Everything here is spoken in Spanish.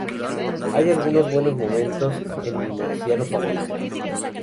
Hay algunos buenos momentos en Mi marciano favorito.